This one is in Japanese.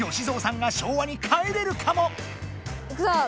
ぞうさんが昭和に帰れるかも⁉いくぞ！